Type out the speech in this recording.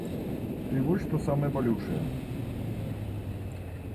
Дый вось што самае балючае.